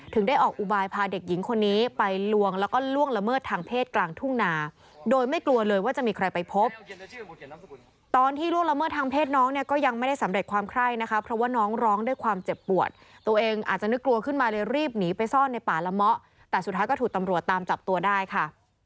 แต่สุดท้ายก็ถูกต่ำรวจตามจับตัวได้ค่ะ